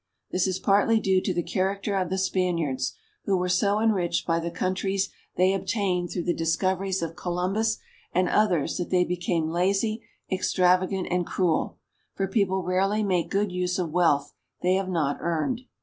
This is partly due to the character of the Spaniards, who were so enriched by the countries they obtained through the discoveries of Columbus and others that they became lazy, extravagant, and cruel ; for people rarely make good use of wealth they have not earned.